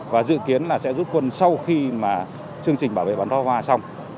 và dự kiến là sẽ rút quân sau khi mà chương trình bảo vệ bắn pháo hoa xong